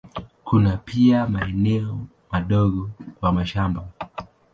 Kuna pia maeneo madogo kwa mashamba.